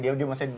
dia masih di